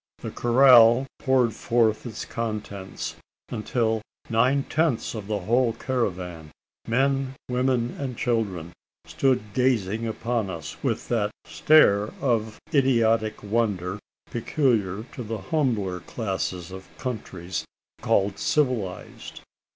The corral poured forth its contents until nine tenths of the whole caravan, men, women and children, stood gazing upon us, with that stare of idiotic wonder peculiar to the humbler classes of countries called civilised.